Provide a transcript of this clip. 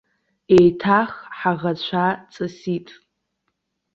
Еиҭах ҳаӷацәа ҵысит.